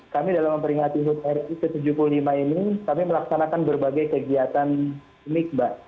kami dalam memperingati hud ri ke tujuh puluh lima ini kami melaksanakan berbagai kegiatan mik mbak